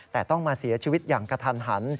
แต่ต้องมาเสียชีวิตอย่างกระทันหัน